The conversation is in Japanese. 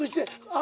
あ！